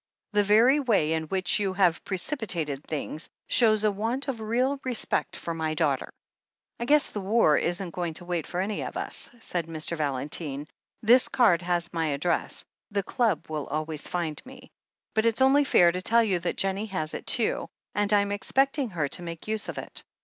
The very way in which you have precipitated things shows a want of real respect for my daughter." "I guess the war isn't going to wait for any of us," said Mr. Valentine. "This card has my address — the club will always find me. But it's only fair to tell you that Jennie has it too, and I'm expecting her to make use of it.